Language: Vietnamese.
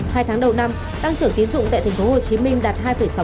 hai tháng đầu năm tăng trưởng tiến dụng tại tp hcm đạt hai sáu mươi năm